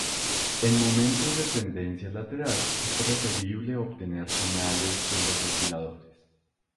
En momentos de tendencia lateral, es preferible obtener señales de los osciladores.